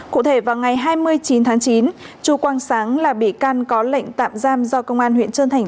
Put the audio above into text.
cụ thể vào ngày hai mươi chín tháng chín chu quang sáng là bị can có lệnh tạm giam do công an huyện trơn thành